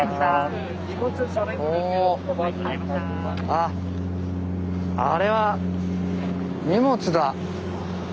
あっあれは荷物だ。